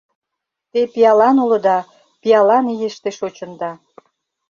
Те пиалан улыда, пиалан ийыште шочында.